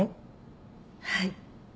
はい。